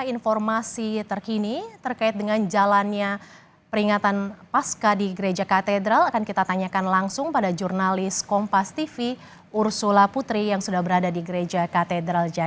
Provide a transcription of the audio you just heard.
informasi terkini terkait dengan jalannya peringatan pasca di gereja katedral akan kita tanyakan langsung pada jurnalis kompas tv ursula putri yang sudah berada di gereja katedral